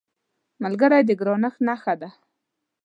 ملګری د ګرانښت نښه ده